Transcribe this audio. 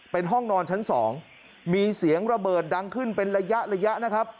เป็นห้องนอนชั้น๒มีเสียงระเบิดดังขึ้นเป็นระยะระยะนะครับ